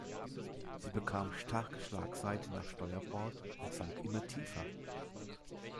Sie bekam starke Schlagseite nach Steuerbord und sank immer tiefer.